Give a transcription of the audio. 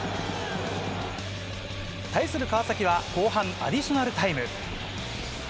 対する川崎は後半アディショナルタイム。